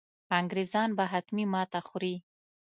انګرېزان به حتمي ماته خوري.